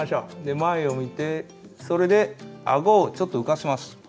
前を見てそれであごをちょっと浮かせます。